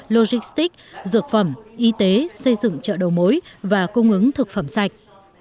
logistics dược phẩm y tế xây dựng chợ đầu mối và cung ứng thực phẩm sạch